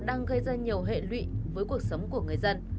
đang gây ra nhiều hệ lụy với cuộc sống của người dân